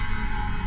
aku mau lihat